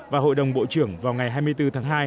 và hội đồng bộ trưởng vào ngày hai mươi bốn tháng hai